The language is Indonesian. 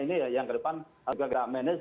ini yang ke depan kita manage